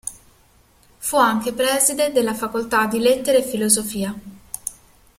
Fu anche preside della facoltà di Lettere e filosofia.